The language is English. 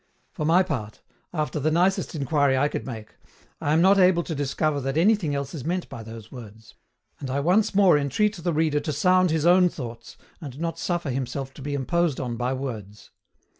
For my part, after the nicest inquiry I could make, I am not able to discover that anything else is meant by those words; and I once more entreat the reader to sound his own thoughts, and not suffer himself to be imposed on by words.